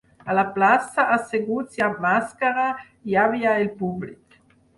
A la plaça, asseguts i amb màscara, hi havia el públic.